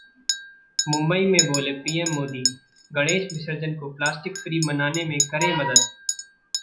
मुंबई में बोले पीएम मोदी- गणेश विसर्जन को प्लास्टिक फ्री मनाने में करें मदद